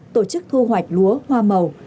tổ chức thu hoạch lúa hoa màu